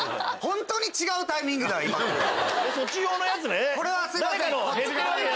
そっち用のやつね。